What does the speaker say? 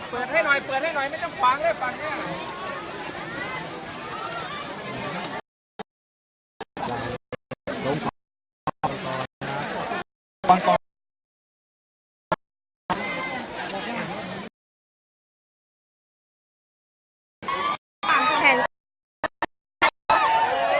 ต้องขอคุณครัวผมต้องแข่งด้วย